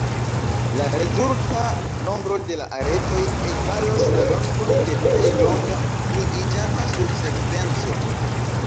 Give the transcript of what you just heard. La rezulta nombro de la aretoj egalos la longon de plej longa pliiĝanta subsekvenco.